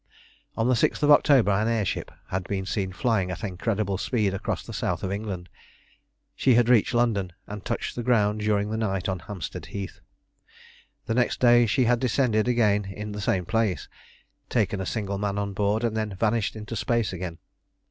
On the 6th of October an air ship had been seen flying at an incredible speed across the south of England. She had reached London, and touched the ground during the night on Hampstead Heath; the next day she had descended again in the same place, taken a single man on board, and then vanished into space again.